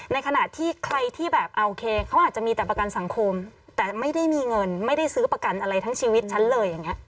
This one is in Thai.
ในขณะที่ใครที่แบบโอเคเขาอาจจะมีแต่ประกันสังคมแต่ไม่ได้มีเงินไม่ได้ซื้อประกันอะไรทั้งชีวิตฉันเลยอย่างนี้